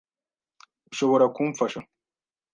Ushobora kumfasha?